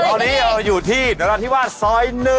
ตอนนี้เราอยู่ที่นราธิวาสซอย๑